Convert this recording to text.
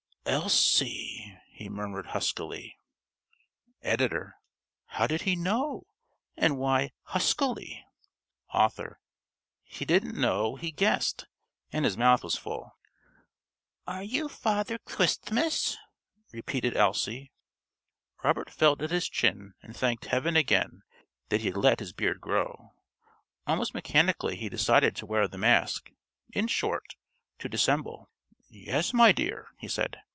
"Elsie," he murmured huskily. (~Editor.~ How did he know? And why "huskily"? ~Author.~ He didn't know, he guessed. And his mouth was full.) "Are you Father Kwistmas?" repeated Elsie. Robert felt at his chin, and thanked Heaven again that he had let his beard grow. Almost mechanically he decided to wear the mask in short, to dissemble. "Yes, my dear," he said.